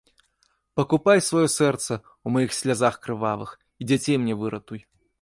Пакупай сваё сэрца ў маіх слязах крывавых і дзяцей мне выратуй!